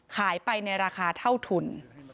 ขายไปในราคาเท่าทุน